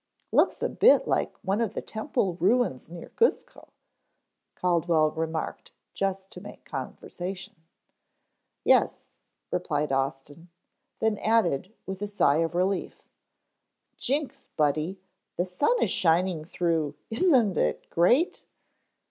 "Looks a bit like one of the temple ruins near Cuzco," Caldwell remarked just to make conversation. "Yes," replied Austin, then added with a sigh of relief, "Jinks, Buddy, the sun is shining through! Isn't it great!"